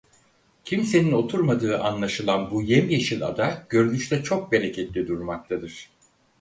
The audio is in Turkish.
Kimsenin oturmadığı anlaşılan bu yemyeşil ada görünüşte çok bereketli durmaktadır.